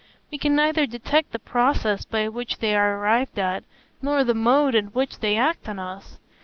We can neither detect the process by which they are arrived at, nor the mode in which they act on us.